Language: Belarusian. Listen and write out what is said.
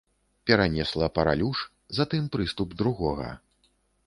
Перанесла паралюш, затым прыступ другога.